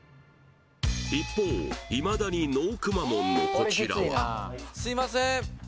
一方いまだにＮＯくまモンのこちらはすいません